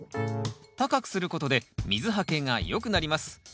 高くすることで水はけが良くなります。